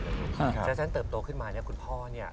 เพราะฉะนั้นเติบโตขึ้นมาเนี่ยคุณพ่อเนี่ย